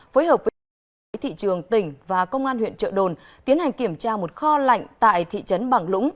phối hợp với thị trường tỉnh và công an huyện trợ đồn tiến hành kiểm tra một kho lạnh tại thị trấn bằng lũng